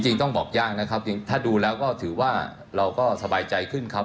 ต้องบอกยากนะครับจริงถ้าดูแล้วก็ถือว่าเราก็สบายใจขึ้นครับ